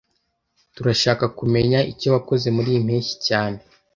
Turashaka kumenya icyo wakoze muriyi mpeshyi cyane